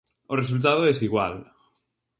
O resultado é desigual.